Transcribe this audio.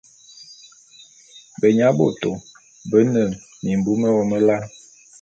Benyabôtô bé ne mimbu mewôm lal.